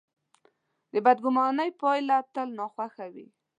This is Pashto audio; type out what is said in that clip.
د بدګمانۍ پایله تل ناخوښه وي.